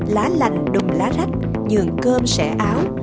lá lành đùm lá rách dường cơm sẻ áo